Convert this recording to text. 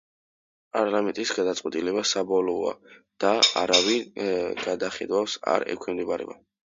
პარლამენტის გადაწყვეტილება საბოლოოა და არავის გადახედვას არ ექვემდებარება.